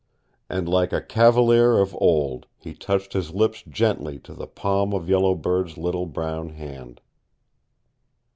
And like a cavalier of old he touched his lips gently to the palm of Yellow Bird's little brown hand.